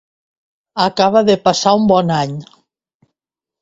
Acaba de passar un bon any.